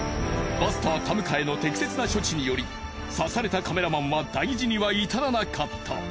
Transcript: バスター田迎の適切な処置により刺されたカメラマンは大事には至らなかった。